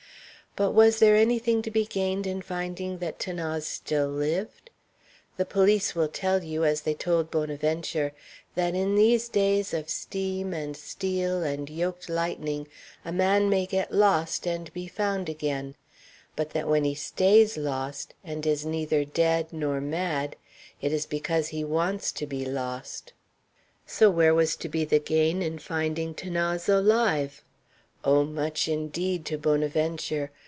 But was there any thing to be gained in finding that 'Thanase still lived? The police will tell you, as they told Bonaventure, that in these days of steam and steel and yoked lightning a man may get lost and be found again; but that when he stays lost, and is neither dead nor mad, it is because he wants to be lost. So where was to be the gain in finding 'Thanase alive? Oh, much, indeed, to Bonaventure!